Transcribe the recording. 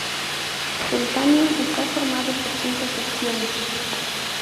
El "Tania" está formado por cinco secciones.